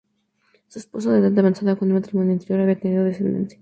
Su esposo, de edad avanzada, con un matrimonio anterior ya había tenido descendencia.